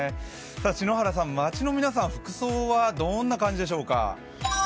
篠原さん、街の皆さん、服装はどんな感じでしょうか。